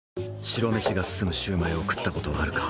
白飯が進むシュウマイを食ったことはあるか？